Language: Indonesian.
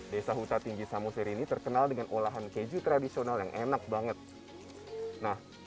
desa huta tinggi samosir ini terkenal dengan olahan keju tradisional yang enak banget nah